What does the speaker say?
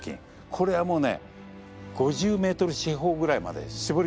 これはもうね５０メートル四方ぐらいまで絞り込んでます場所。